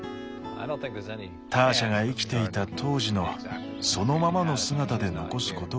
ターシャが生きていた当時のそのままの姿で残すことはできない。